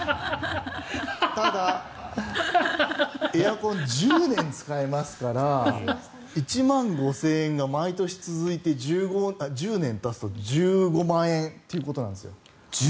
ただ、エアコンは１０年使えますから１万５０００円が毎年続いて１０年たつと１５万円ということなんですよ。